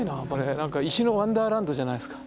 何か石のワンダーランドじゃないですか。